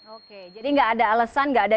oke jadi nggak ada alasan nggak ada